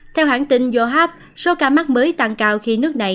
theo hãng tin yohab số ca mắc mới tăng cao khi nước này